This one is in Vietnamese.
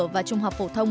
và trung học phổ thông